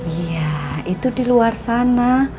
iya itu di luar sana